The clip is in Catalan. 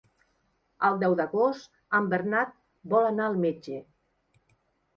El deu d'agost en Bernat vol anar al metge.